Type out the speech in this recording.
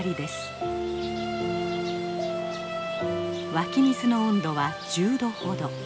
湧き水の温度は１０℃ほど。